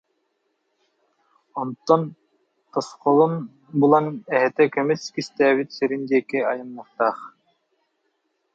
Онтон тосхолун булан эһэтэ көмүс кистээбит сирин диэки айанныахтаах